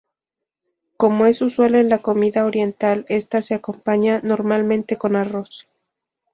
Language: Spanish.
Como es usual en la comida oriental esta se acompaña normalmente con arroz.